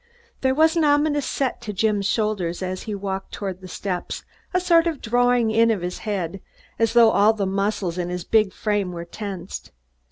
There was an ominous set to Jim's shoulders as he walked toward the steps, a sort of drawing in of the head, as though all the muscles in his big frame were tensed.